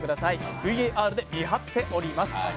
ＶＡＲで見張っております。